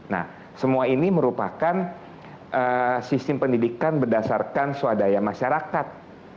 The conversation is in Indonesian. nah semua ini merupakan sistem pendidikan berdasarkan swadaya masyarakat